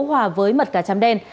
hòa với mật cà chăm đen